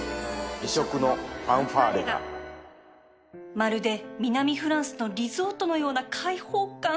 まるで南フランスのリゾートのような開放感